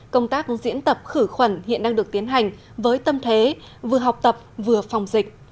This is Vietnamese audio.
công tác diễn tập khử khuẩn hiện đang được tiến hành với tâm thế vừa học tập vừa phòng dịch